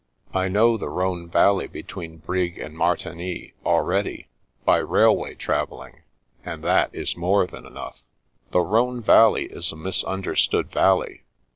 I know the Rhone Valley be tween Brig and Martigny already, by railway trav elling, and that is more than enough." 58 The Princess Passes " The Rhone Valley is a misunderstood valley.